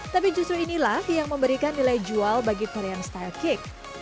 tapi justru inilah yang memberikan nilai jual bagi korean style cake